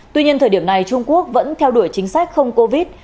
tuy nhiên thời điểm này trung quốc vẫn theo đuổi chính sách không covid